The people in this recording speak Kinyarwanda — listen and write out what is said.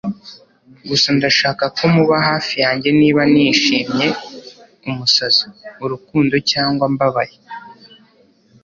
gusa ndashaka ko muba hafi yanjye niba nishimye, umusazi, urukundo cyangwa mbabaye